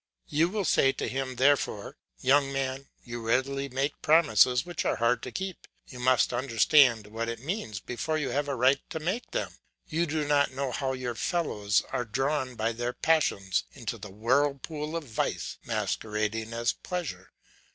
You will say to him therefore: "Young man, you readily make promises which are hard to keep; you must understand what they mean before you have a right to make them; you do not know how your fellows are drawn by their passions into the whirlpool of vice masquerading as pleasure.